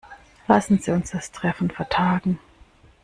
Lassen Sie uns das Treffen vertagen.